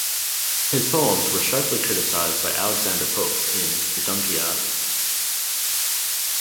His poems were sharply criticized by Alexander Pope in "The Dunciad".